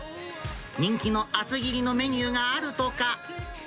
人気の厚切りのメニューがあるとか。